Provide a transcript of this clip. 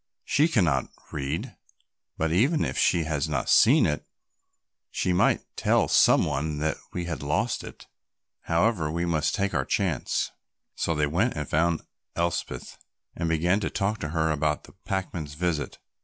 She cannot read, but even if she has not seen it, she might tell some one that we had lost it. However, we must take our chance." So they went and found Elspeth and began to talk to her about the packman's visit.